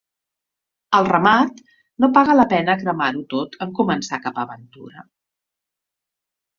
Al remat, no paga la pena cremar-ho tot en començar cap aventura.